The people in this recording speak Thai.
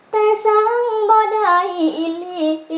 แต่สังบดหาหิอิลิ